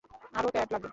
আরও প্যাড লাগবে?